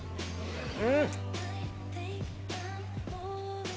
うん！